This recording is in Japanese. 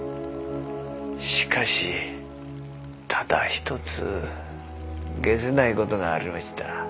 しかしただ一つ解せない事がありました。